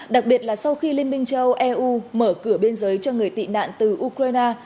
đặc biệt là sau khi liên minh châu âu eu mở cửa biên giới cho người tị nạn từ ukraine